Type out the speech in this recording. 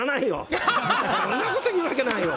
そんなこと言わないよ！